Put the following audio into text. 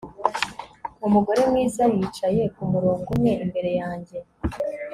Umugore mwiza yicaye kumurongo umwe imbere yanjye